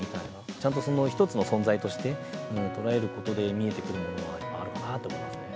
ちゃんとその一つの存在として捉えることで見えてくるものがやっぱりあるかなと思いますね。